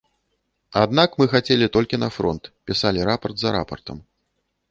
Аднак мы хацелі толькі на фронт, пісалі рапарт за рапартам.